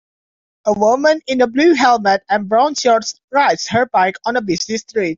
A woman in a blue helmet and brown shorts rides her bike on a busy street.